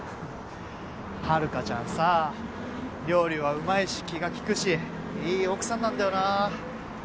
ハルカちゃんさ料理はうまいし気が利くしいい奥さんなんだよな。